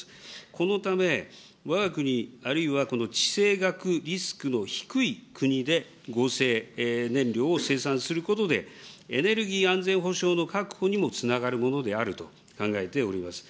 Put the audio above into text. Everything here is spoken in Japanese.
このため、わが国、あるいはこの地政学リスクの低い国で、合成燃料を生産することで、エネルギー安全保障の確保にもつながるものであると考えております。